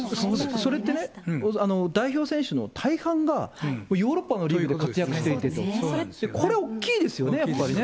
それってね、代表選手の大半がヨーロッパのリーグで活躍していてと、これ、大きいですよね、やっぱりね。